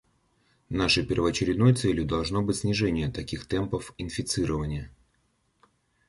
Нашей первоочередной целью должно быть снижение таких темпов инфицирования.